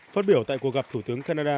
phát biểu tại cuộc gặp thủ tướng canada